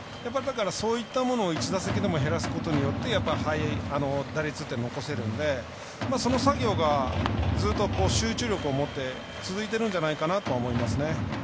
そういったものを１打席でも減らすことによって打率が残せるのでその作業が集中力もってできているんだと思います。